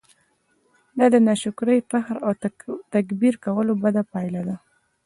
دا د ناشکرۍ، فخر او تکبير کولو بده پايله ده!